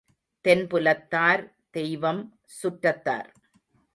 தென்புலத்தார், தெய்வம், சுற்றத்தார்.